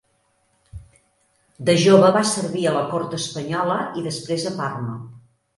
De jove va servir a la cort espanyola i després a Parma.